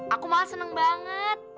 aku malah seneng banget